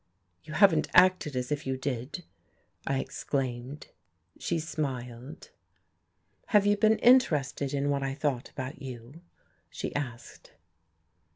"You haven't acted as if you did," I exclaimed. She smiled. "Have you been interested in what I thought about you?" she asked.